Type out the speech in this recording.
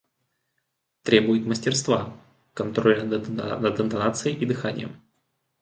Требует мастерства, контроля над интонацией и дыханием.